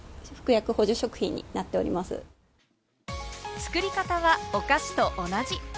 作り方はお菓子と同じ。